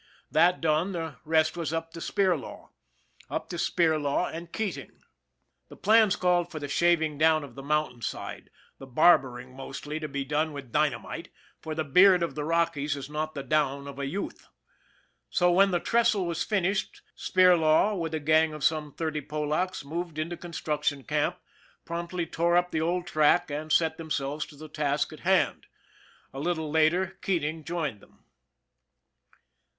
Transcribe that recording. That done, the rest was up to Spirlaw up to Spirlaw and Keating. The plans called for the shaving down of the moun tain side, the barbering, mostly, to be done with dyna mite, for the beard of the Rockies is not the down of a youth. So, when the trestle was finished, Spirlaw with a gang of some thirty Polacks moved into con struction camp, promptly tore up the old track, and set themselves to the task in hand. A little later, Keat ing joined them.